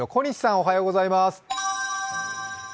おはようございます。